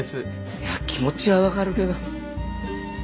いや気持ちは分かるけど。